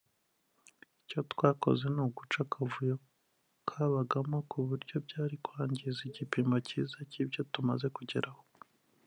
Icyo twakoze ni uguca akavuyo kabagamo ku buryo byari kwangiza igipimo cyiza cy’ibyo tumaze kugeraho